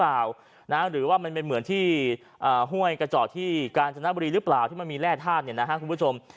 เปล่านะหรือว่ามันเป็นเหมือนที่ห่วยกระจอกที่การฯรครีหรือเปล่าที่มันมีแร่ภาษณ์เนี่ยนะครับวิดความ